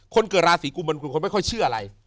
คนเกราะสีกุมมันไม่ค่อยเชื่ออะไร